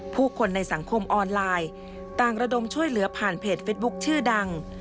ผู้คนในสังคมออนไลน์ต่างระดมช่วยเหลือผ่านเพจเฟสบุ๊คชื่อดัง